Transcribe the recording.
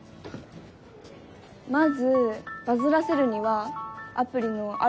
まずバズらせるにはアプリのアルゴリズム。